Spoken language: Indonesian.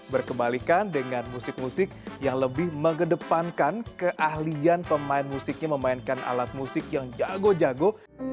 berkebalikan dengan musik musik yang lebih mengedepankan keahlian pemain musiknya memainkan alat musik yang jago jago